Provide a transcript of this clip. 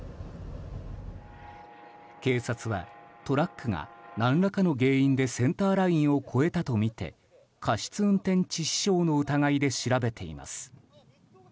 警察はトラックが何らかの原因でセンターラインを越えたとみて過失運転致死傷の疑いで調べています。